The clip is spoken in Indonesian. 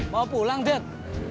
mau pulang jet